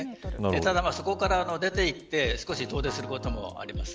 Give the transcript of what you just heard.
ただ、そこから出て行って少し遠出することもあります。